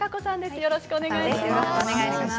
よろしくお願いします。